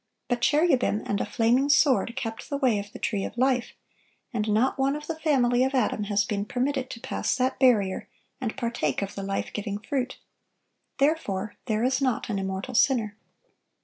But cherubim and a flaming sword kept "the way of the tree of life,"(937) and not one of the family of Adam has been permitted to pass that barrier and partake of the life giving fruit. Therefore there is not an immortal sinner.